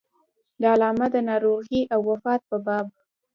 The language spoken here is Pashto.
د علامه د ناروغۍ او وفات په باب.